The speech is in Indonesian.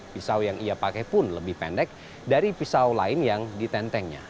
pisau yang ia pakai pun lebih pendek dari pisau lain yang ditentengnya